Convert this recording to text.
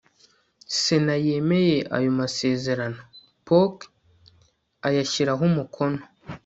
sena yemeye ayo masezerano, polk ayashyiraho umukono